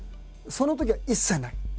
そのときは一切ない。